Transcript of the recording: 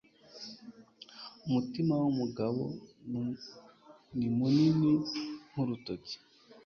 Umutima wumugabo ni munini nkurutoki.